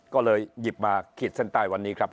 ก็เลยหยิบมาขีดเส้นใต้วันนี้ครับ